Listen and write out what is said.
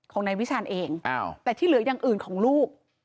ของนายวิชาณเองแต่ที่เหลืออย่างอื่นของลูก